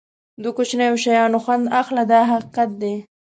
د کوچنیو شیانو خوند اخله دا حقیقت دی.